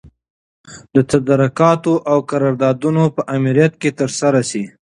د تدارکاتو او قراردادونو په امریت کي ترسره سي.